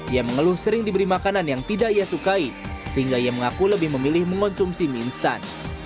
ia mengeluh sering diberi makanan yang tidak ia sukai sehingga ia mengaku lebih memilih mengonsumsi mie instan